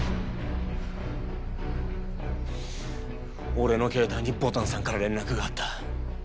俺の携帯に牡丹さんから連絡があった。